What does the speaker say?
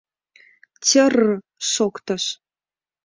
«Тьр-р!» — шоктыш.